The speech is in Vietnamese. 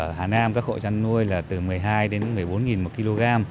ở hà nam các hộ chăn nuôi là từ một mươi hai đến một mươi bốn một kg